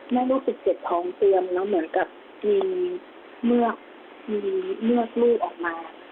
แม่ว่า๑๗ท้องเตรียมแล้วเหมือนกับมีเมือกมีเมือกรูดออกมา